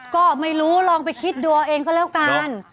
ก็ไม่รู้ลองไปคิดดูเอาเองก็แล้วกัน